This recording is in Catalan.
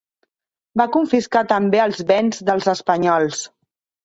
Va confiscar també els béns dels espanyols.